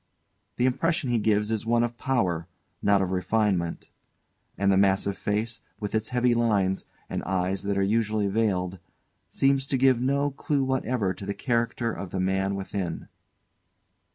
The impression he gives is one of power, not of refinement; and the massive face, with its heavy lines, and eyes that are usually veiled, seems to give no clue whatever to the character of the man within.